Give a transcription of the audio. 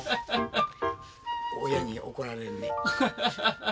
親に怒られるね。